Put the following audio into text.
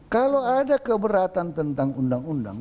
kalau ada keberatan tentang undang undang